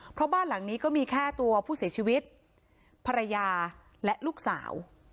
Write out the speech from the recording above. เพราะบ้านหลังนี้ก็มีแค่ตัวผู้เสียชีวิตภรรยาและลูกสาว